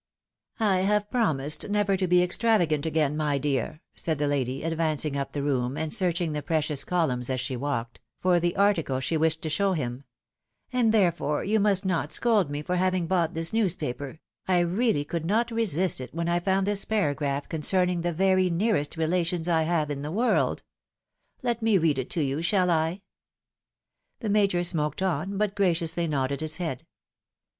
" I have promised never to be extravagant again, my dear," said the lady, advancing up the room, and searching the precious columns as she walked, for the article she wished to show him, " and therefore you must not scold me for having bought this newspaper, I reaUy could not resist it when I found this para graph concerning the very nearest relations I have in the world. Let me read it to you, shall I ?" FAMILY CONNECTIONS. 21 The Major smoked on, but graciously nodded his head.